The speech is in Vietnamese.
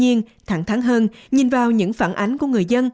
nhìn vào những phản ánh của người dân nhìn vào những phản ánh của người dân